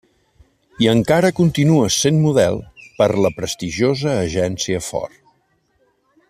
I encara continua sent model per la prestigiosa Agencia Ford.